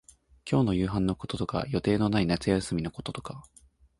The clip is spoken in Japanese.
今日の夕飯のこととか、予定のない夏休みのこととか、